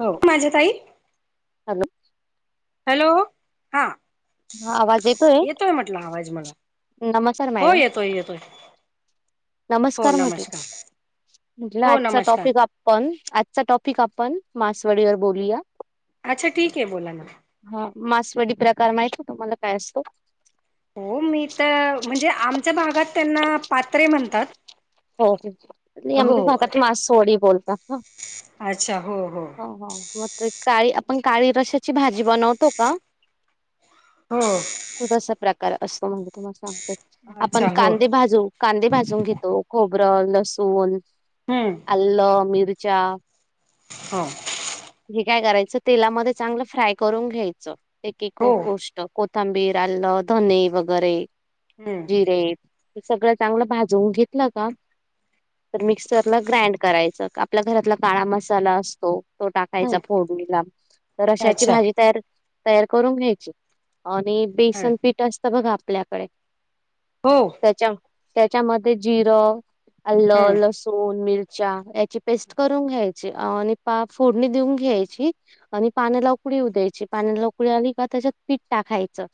हो माझ्या ताई हॅलो हॅलो हा हा आवाज येतोय म्हटलं आवाज मला नमस्कार हो मॅडम येतोय येतोय. हो नमस्कार म्हटलं हो आजचा नमस्कार टॉपिक आपण आजचा टॉपिक आपण मासवाडीवर बोलूया अच्छा ठीक आहे बोला ना हा मासवडी प्रकार माहित तुम्हाला काय असतं? हो मी त म्हणजे आमच्या भागात त्यांना पात्रे म्हणतात. हो नाही हो आमच्या भागात मासोडी बोलतात न अच्छा हो हो हो म तर काळी आपण काळी रसाची भाजी बनवतो का हो तसा प्र कार असं म्हणजे तुम्हाला सांगतोय आपण अच्छा हो कांदे भाजू कांदे भाजून घेतो गबर, लसूण, हम्म आल, मिरच्या हो हे काय करायचं तेलामध्ये चांगलं फ्राय करून, घ्यायचं एकेक हो गोष्ट तांबीर, आलं, धने, वगैरे हम्म जिरे सगळं चांगलं भाजवून घेतलं का? तर मिक्सरला ग्राइंड करायचं आपल्या घरातला काळा मसाला असतो. तो टाकायचा हम्म फोडणीला तर अशाची अच्छा भाजी तयार तयार करून घ्यायची. आणि बेसन पीठ असतं बघा आपल्याकडे हो त्याच्या त्याच्यामध्ये जिरं हम्म आलं लसूण मिरच्या याची पेस्ट करून घ्यायची आणि पाप फोडणी देऊन घ्यायची आणि पाण्याला उकळीऊ द्यायची पाण्याला उकळी आली, का त्याच्यात पीठ टाकाय च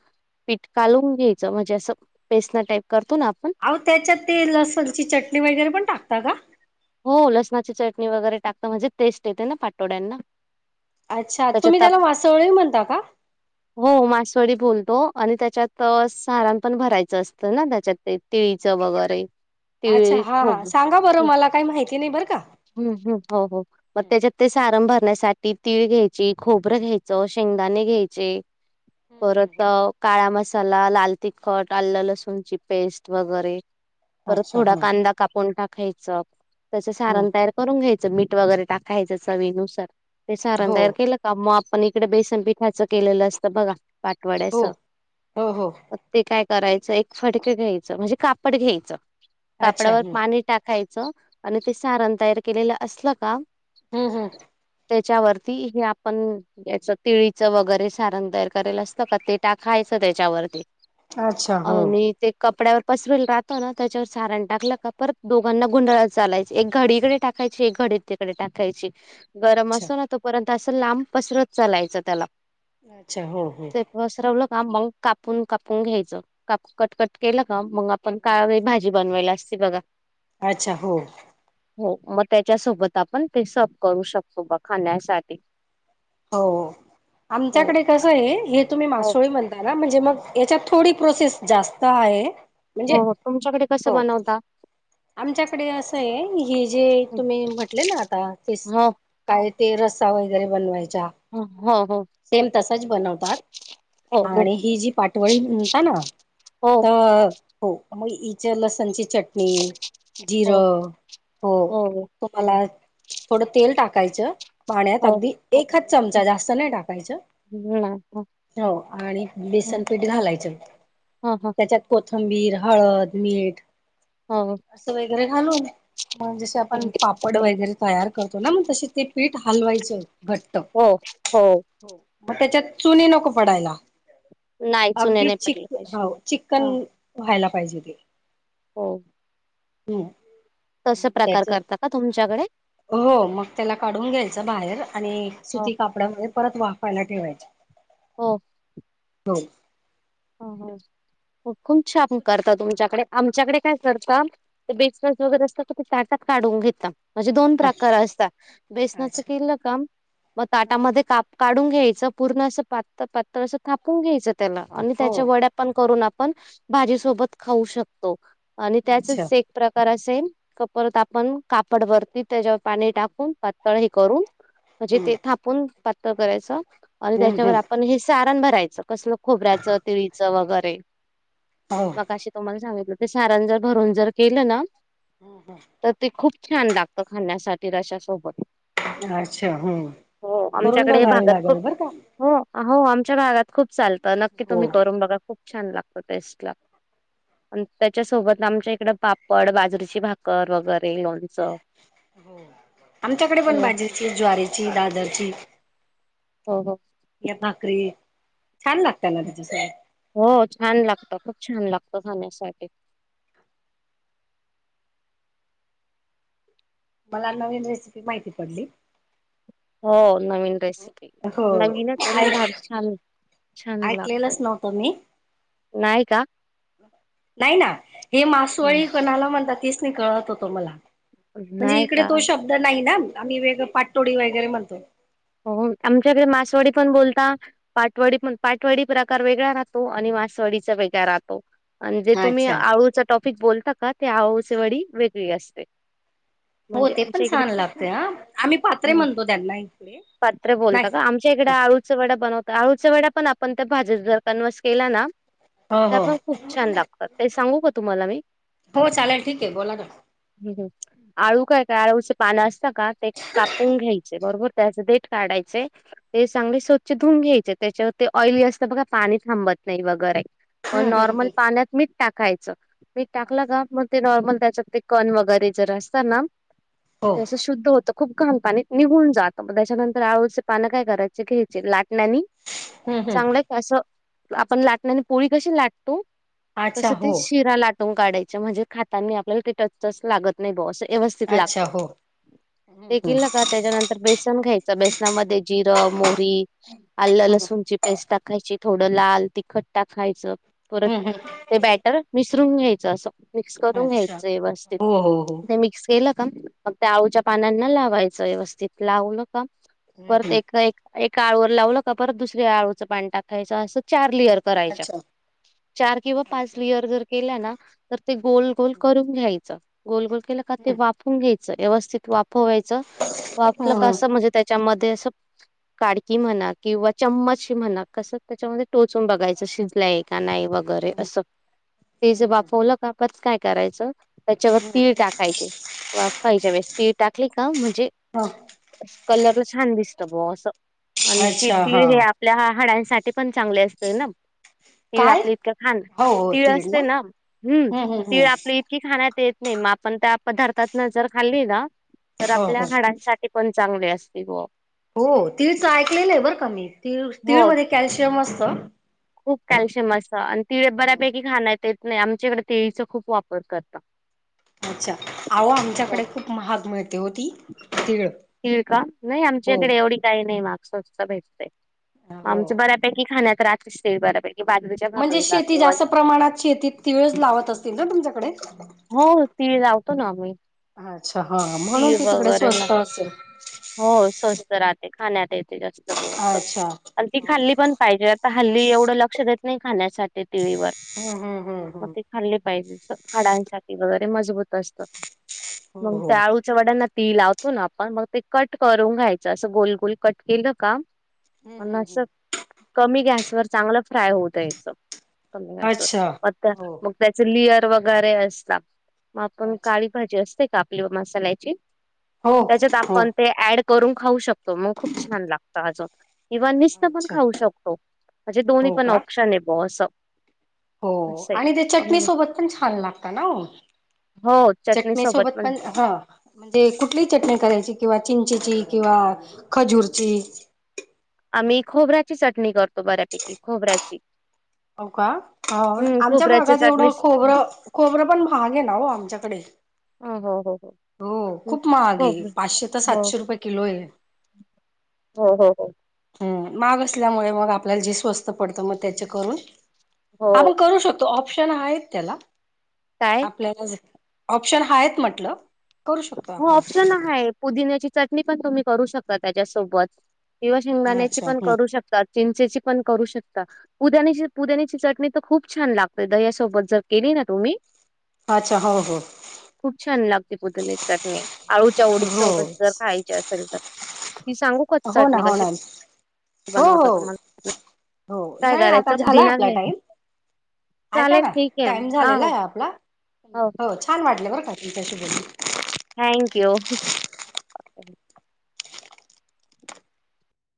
पीठ कालून घ्यायच म्हणजे असं बेसना टाईप करतो ना आपण अहो त्याच्यात ते लसणची चटणी वगैरे पण टाकता का. हो लसणाची चटणी वगैरे टाकत म्हणजे टेस्ट येते ना पातोड्यांना. अच्छा तुम्ही त्याला वासवळी म्हणता का. हो मासवडी बोलतो आणि त्याच्यात सारण पण भरायचं असतं ना त्याच्यात ते तिळीच. तवगैरे अच्छा हा हां सांगा बरं मला काय माहिती. नाही बरं का हम् हम् हो हो मग हम्म त्याच्यात ते सारन भरण्यासाठी तीळ घ्यायची खोबरं घ्यायचं शेंगदाणे घ्यायचे. हम्म हम्म परत हम्म. काळा मस तला लाल तिखट आल लसूणची पेस्ट वगैरे परत अच्छा थोडा हं कांदा कापून टाकायचं त्याच हं सारण तयार करून घ्यायचं. मीठ वगैरे टाकायच चवीनुसार ते सारान हो तयार केलका म आपण इकडं बेसनपिठाचं केलेलं असत बघा पाठवड्याच हो हो हो ते काय करायचं एक फडक घ्यायचं म्हणजे कापड घ्यायचं अच्छा कापडावर हं पाणी टाकायचं. आणि ते सारण तयार केलेलं असलं का हं हं. ते त्याच्या वरती हे आपण द्याच तळीच वगैरे सारण तयार कराल असतं का ते टाखायच. त्याच्यावरती अच्छा हो आणि ते कपड्यावर. पसरल राहतो ना त्याच्यावर सारण टाकलं का परत दोघांना गुंडाळा चालायची एक घडी इकडे टाकायची एक घडी तिकडे टाकायची गरम अच्छा असो ना तोपर्ंत तसं लांब पसरत चालायचं त्याला अच्छा हो हो. ते पसरवलं का मग कापून कापून घ्यायचं काप कट कट केलं का मग आपण कावंभाजी बनवायला असे बघा अच्छा हो. हो मग त्याच्यासोबत आपण ते सब करू शकतो बा खाण्यासाठी. हो हो आमच्याकडे कसं ये हे तुम्ही हो मासोळी म्हणताना म्हणजे मग. याच्यात थोडी प्रोसेस जास्त आहे. म्हणजे हो हो तुमच्याकडे कसं हो बनवता. आमच्याकडे असं आहे हेि जे तुम्ही म्हटले ना आता ते हो काय ते रसा वगैरे बनवायचा. हो हो हो सेम तसच बनवतात. हो हो आणि ही जी पाठवळी म्हणता ना हो तर हो? मग हिच्या लसणची चटणी. जिर हो हो हो मग तुम्हाला. थोडं तेल टाकायचं पाण्यात हो अगदी एकच चमचा ह जास्त नाही टाकायच. ह हो हो आणि हो बेसन पीठ घालायचं हो त्याच्यात कोथंबीर. हळद मीठ असं वगैरे घालून मग जसे आपण हो पापड वगैरे तयार करतो ना मग तसे. ते पीठ हलवायचं. हो हो हो मग त्याच्यात चुनी नको पडायला. नाही चुने अगदी नाही चिक पडले पाहिजे. हो चिकन ह व्हायला पाहिजे ते. हो. हम्म. तस मग प्रकार त्याच करतात का तुमच्याकडे? हो मग त्याला काढून घ्यायच बाहेर आणि हो सुती कापडामध्ये परत वाफवायला ठेवायच. हो. हो, ह ह खुप छान करता तुमच्याकडे. आमच्याकडे काय करता ते बेसन वगैरे असतात तर ते ताटात काढून घेता. म्हणजे दोन प्रकार असतात बेसनाच अच्छा केल का मग ताटामध्ये काप काढून घ्यायच. पूर्ण अस पात पातळ अस थापून घ्यायच त्याला आणि हो त्याच्या वड्या पण करून, आपण भाजी सोबत खाऊ शकतो आणि अच्छा त्याचाच एक प्रकार अ तेन परत आपण कापड वरती त्याच्यावर पाणी टाकून पातळ हे करून, म्हणजे हम्म ते थापून पातळ करायच आणि हम्म त्याच्यावर हम्म आपण हे सारण भरायच कसलं खोबऱ्याचं, तिळीचं वगैरे हो मगाशी तुम्हाला सांगितलं- ते सारांण जर भरून जर केल ना? हम्म हम्म.. तर ते खूप छान लागत खाण्यासाठी रश्श्यासोबत. अच्छा हम्म हो करून आमच्याकडे बघावी भागात खूप लागेल बरं का हो- हो आमच्या भागात खूप चालत नक्की हो तुम्ही करून बघा खूप छान लागत टेस्ट ला. त्याच्यासोबत आमच्या इकड पापड बाजरीची भाकर वगैरे. लोणचं. हो आमच्याकडे पण हो भाजवारीेची, दादरची हो हो या भाकरी, छान लागतात ना त्याच्यासोबत हो छान लागतो. खूप छान लागतो. बघण्यासाठी मला नवीन रेसिपी माहिती पडली. हो नवीन रेसिपी हो नवीनच, आहे ना ऐक भारी छान. छान ऐकलेलंच लागतय नव्हतं मी नाही का? नाही ना हे नाही मासवळी कोणाला म्हणतात. कळत होतो मला म्हणजे नाही इकडे का तो शब्द नाही ना. आम्ही वेगळ पाटोडी वगैरे म्हणतो.. हो आमच्याकडे मासवडी पण बोलता पाठवडी पण पाठवडी प्रकार वेगळा राहतो आणि- मासवडीचा वेगळा राहतो. म्हणजे तुम्ही अच्छा. आळूचा टॉपिक बोलता का ते आळूचे वडी वेगळी असते. हो म्हणजे ते पण आमच्या इकडे छान लागते ह आम्ही पात्रे म्हणतो त्यांना. पाञे बोलता नाही. का आमच्या इकडे आळूचे वड्या या बनवत. आळूच्या वड्या पण आपण त्या भाजीत जर कन्वस केल्या ना? हो त्या हो. पण खूप छान लागतात ते सांगू का तुम्हाला मी. हो चालेल ठीके आहे बोला ना. आळू काय, काय आळूच पान असतं का ते कापून घ्यायचे बरोबर, त्याच देट काढायचे ते चांगले स्वच्छ धुून घ्यायचे त्याच्यावर ते ऑयली असतं बघा पाणी थांबत नाही वगैरे, पण हम्म हम्म नॉर्मल पाण्यात मीठ टाकायच मीठ टाकलं अच्छा. का मग ते नॉर्मल त्याच्यात ते कण वगैरे जर असतात ना हो ते शुद्ध होत. खूप घान पाणी निघून जात. त्याच्यानतर आळूळचे पानं काय करायचे घ्यायचे लाटण्यानी हम्म हम्म चांगलंयं कि असं आपण लाटण्या आणि पोळी कशी लाटतो तस अच्छा ते हो शिरा लाट काढाय च म्हणजे खातनी आपल्याला टचच टच लागत नाही बावा अस व्यवस्थित अच्छा लागतो. हो. हम्म ते हम्म केल न का त्याच्यानंतर बेस् खायचा बेसनामध्ये जिर, मोहरी, आल हम्म. लसूणची पेस्ट टाकायची. थोड लाल तिखट टाकाायच, परत ते बॅटर मिसरून घ्यायचं अस. मिक्स करून अच्छा घ्यायच व्यवस्थित हो हो हो. ते मिक्स केल. मग त्या आळूच्या पानांना लावायचं व्यवस्थित लावू नका हम्म परत हम्म एका एक एका आळूवर लावलं का परत दुसऱ्या आळूचं पाणी टाकायचं असं चार लिअर करायच्या अच्छा चार किंवा पाच अच्छा हा. लीअर जर केला, ना तर ते गोल गोल करून घ्यायचं. गोल गोल केलं का ते, वापफवून घ्यायचं व्यवस्थित वाफवायचं वाफलं का, कसं हम्म म्हणजे त्याच्यामध्ये अस काडकी म्हणा किंवा चम्मच म्हणा कस त्याच्यामध्ये टोचून बघायच शिजलाय. का नाही वगैरे असं तेच वाफवलं कापाच काय करायचं? त्याच्यावर तीळ टाकायचे वाफायच्या वेळेस तीळ टाकली का म्हजे? हा. कलर छान दिसत बो अस आणि की अच्छा तीळ हा. हे आपल्या हाडांनसा साठी पण चांगले असतय ना तीळ काय? आपलं इतकं खाण हो हो तीळ तीड असते, ना हम्म हम्म तीळ हम्म. आपली इतकी खाण्यात येत नाही म आपण त्या पदार्थातन जर खाल्ली ना तर हो आपल्या हो. हाडांसाठी पण चांगले असते ग. हो तीळचं ऐकलेलं हाय बरं का मी तीळ तीळ हो मध्ये कॅल्शियम असत. खूप कॅल्शियम असंत आणि तीळ बऱ्यापैकी खान्यात येत नाही आमच्याकडे तीळीचा खूप वापर करता अच्छा आहो आमच्याकडे खूप महाग मिळते ओ ती तिळ तीळ का नाही आमच्या इकडे एवढी काही नाही महाग स्वस्त भेटतय. मग हो आमच्या बऱ्यापैकी खाण्यात खर असत तीळ बऱ्या पैकी, म्हणजे शेती जास्त प्रमाणात शेतीत तीळच लावत असतील ना तुमच्याकडे होअ तीळ लावतो ना आम्ही अच्छा हा म्हणून तीळ ते तिकडे वगैरे लाव स्वस्त असेल हो स्वस्त राहतय, खाण्यात येत तेलाचं डब अस अच्छा. आणि ती खाल्ली पण पाहिजे, आता हल्ली एवढं लक्ष देत नाही खाण्यासाठी तीळी वर हम्म हम्म हम्म मग हम्म ती खाली पायजे हाडांसाठी वगैरे मजबूत असत, हो मग हो. त्या आळूच्या वड्यांना तीळ लावतो ना आपण मग ते कट करून घ्यायचं असं गोल गोल कट केलं का? हम्म पण हम्म अस हम्म. कमी गॅसवर चांगलं फ्राय होवू द्यायचं. कमी असो अच्छा म हो मग त्याचे लिअर वगैरे असता मग आपण अच्छा काळी भाजी असते का आपली मसाल्याची हो त्याच्यात हो. आपण ते ऍड करून खाऊ शकतो मग खूप छान लागतं अजून कीवा नूसत पण अच्छा खाऊ शकतो, म्हणजे दोन्ही हो पण का ऑप्शन आहे बो असं. हो असं आहे आणि ते चटणी सोबत पण छान लागतात. चटनी सोबत पण ह म्हणजे कुठली चटणी करायची किंवा चिंचेची किंवा खजूरची आम्ही खोबऱ्याची चटणी करतो बऱ्यापैकी खोबऱ्याची हो का अ हम्म आमच्या खोबऱ्याच्या भागात एवढं चटणी खोबरं खोबरं पण महाग आहे ना हो आमच्याकडे ह हो हो. हो हं. खूप महाग हो, आहे, पाचशे तर सातशे रुपये किलो आहे. ह हो हो. महाग असल्यामुळे मग आपल्याला जे स्वस्त पडत मग त्या करून आपण हो. करू शकतो ऑप्शन आहेत त्याला काय? आपल्याला ऑप्शन हा आएत म्हटलं. करू शकतो हो आपण ऑप्शन असं हाय पुदिन्याची चटणी पण तुम्ही करू शकता त्याच्यासोबत किवा शेंगदाण्याची अच्छा पण हम्म करू शकतात. चिंचेची पण करू शकता, पुद्यान्याची, पुद्याण्याची चटणी तर खूप छान लागते दह्यासोबत जर केली, तर तुम्ही अच्छा हो हो. ती पुदिन्याची चटणी आळूच्या ओडी हो सोबत जर खायची असेल तर, ती सांगू का मी हो ना चटणी हो कशी? ना हो बनवता हो तुम्हाला? हो काय नाही आता करायचं झालाय पुदिना आपला घ्याय टाइम ऐका ना चालेल ठीक आहे. टाइम झालेला हो, आहे आपला. हो छान वाटले बरं का तुमच्याशी बोलून. Thank you.